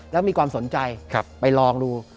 แล้วมีความสนใจไปลองดู